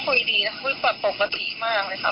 คือ๒คนเนี่ยเวลาเค้าคุยกันเค้าคุยกันยังไงครับ